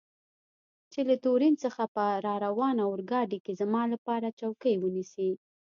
چې له تورین څخه په راروانه اورګاډي کې زما لپاره چوکۍ ونیسي.